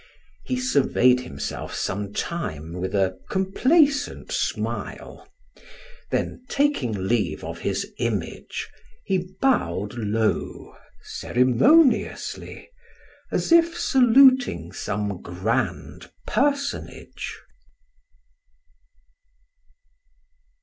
He surveyed himself some time with a complacent smile; then taking leave of his image, he bowed low, ceremoniously, as if saluting some grand personage.